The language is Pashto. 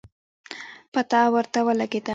پته ورته ولګېده